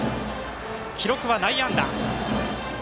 記録は内野安打。